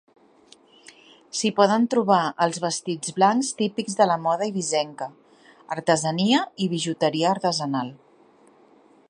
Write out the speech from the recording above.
S'hi poden trobar els vestits blancs típics de la moda eivissenca, artesania i bijuteria artesanal.